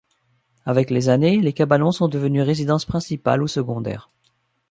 Avec les années, les cabanons sont devenus résidences principales ou secondaires.